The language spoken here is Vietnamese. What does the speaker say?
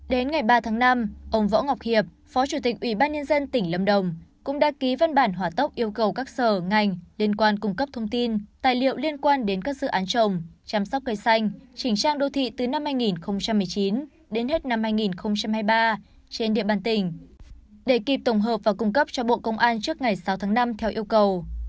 đến ngày ba tháng năm ông võ ngọc hiệp phó chủ tịch ủy ban nhân dân tỉnh lâm đồng cũng đã ký văn bản hỏa tốc yêu cầu các sở ngành liên quan cung cấp thông tin tài liệu liên quan đến các dự án trồng chăm sóc cây xanh chỉnh trang đô thị từ năm hai nghìn một mươi chín đến hết năm hai nghìn hai mươi ba trên địa bàn tỉnh để kịp tổng hợp và cung cấp cho bộ công an trước ngày sáu tháng năm theo yêu cầu